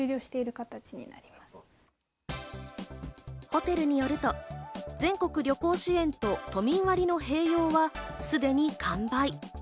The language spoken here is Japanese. ホテルによると、全国旅行支援と都民割の併用は、すでに完売。